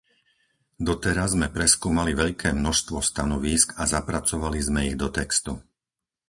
Doteraz sme preskúmali veľké množstvo stanovísk a zapracovali sme ich do textu.